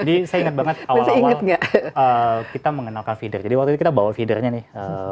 jadi saya ingat banget awal awal kita mengenalkan feeder jadi waktu itu kita bawa feedernya nih